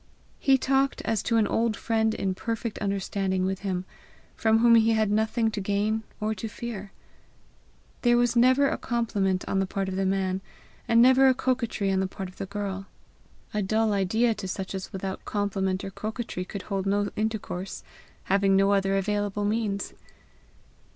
He talked as to an old friend in perfect understanding with him, from whom he had nothing to gain or to fear. There was never a compliment on the part of the man, and never a coquetry on the part of the girl a dull idea to such as without compliment or coquetry could hold no intercourse, having no other available means.